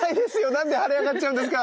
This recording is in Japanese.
何で腫れ上がっちゃうんですか。